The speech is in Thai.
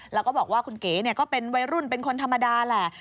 แล้วก็บอกว่าคุณเก๋ก็เป็นวัยรุ่นเป็นคนธรรมดาแหละ